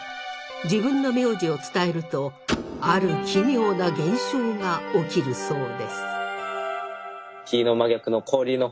自分の名字を伝えるとある奇妙な現象が起きるそうです。